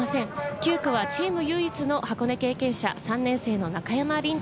９区はチーム唯一の箱根経験者、３年生の中山凜斗。